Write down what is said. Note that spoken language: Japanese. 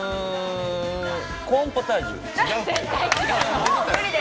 コーンポタージュ。